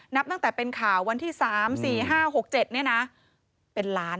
นับตั้งแต่เป็นข่าววันที่๓๔๕๖๗เป็นล้าน